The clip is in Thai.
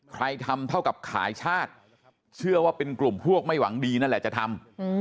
ทำเท่ากับขายชาติเชื่อว่าเป็นกลุ่มพวกไม่หวังดีนั่นแหละจะทำ